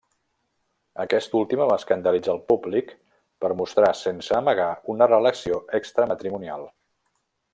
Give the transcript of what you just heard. Aquesta última va escandalitzar el públic per mostrar sense amagar una relació extramatrimonial.